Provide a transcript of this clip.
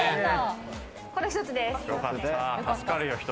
これ一つです。